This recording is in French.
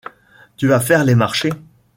Tu vas faire les marchés ?